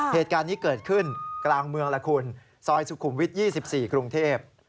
เหตุการณ์นี้เกิดขึ้นกลางเมืองละคุณซอยสุขุมวิท๒๔กรุงเทพ